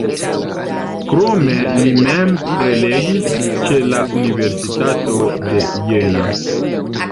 Krome li mem prelegis ĉe la Universitato de Jena.